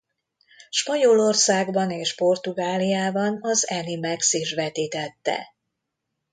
Spanyolországban és Portugáliában az Animax is vetítette.